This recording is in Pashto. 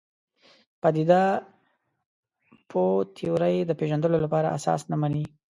پدیده پوه تیورۍ د پېژندلو لپاره اساس نه مني.